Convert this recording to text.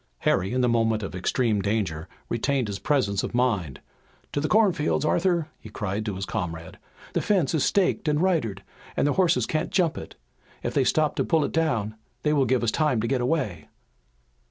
Harry in the moment of extreme danger retained his presence of mind: "To the cornfield, Arthur!" he cried to his comrade. "The fence is staked and ridered, and their horses can't jump it. If they stop to pull it down they will give us time to get away!"